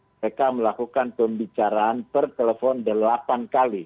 mereka melakukan pembicaraan per telepon delapan kali